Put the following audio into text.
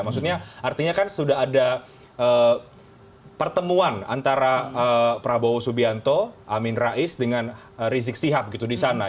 maksudnya artinya kan sudah ada pertemuan antara prabowo subianto amin rais dengan rizik sihab gitu di sana